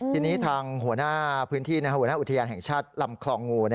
ทีนี้ทางหัวหน้าพื้นที่หัวหน้าอุทยานแห่งชาติลำคลองงู